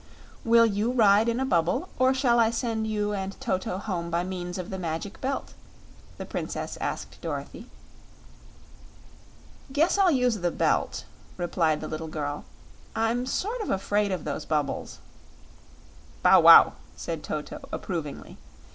"Will you ride in a bubble, or shall I send you and Toto home by means of the Magic Belt?" the Princess asked Dorothy. "Guess I'll use the Belt," replied the little girl. "I'm sort of 'fraid of those bubbles." "Bow wow!" said Toto, approvingly.